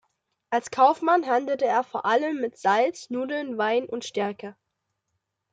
Als Kaufmann handelte er vor allem mit Salz, Nudeln, Wein und Stärke.